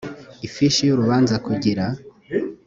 ifishi y urubanza kugira